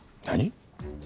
何？